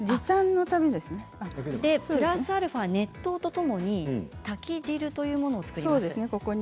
プラスアルファ熱湯のために炊き汁というものを作ります。